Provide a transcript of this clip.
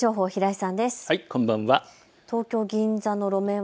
こんばんは。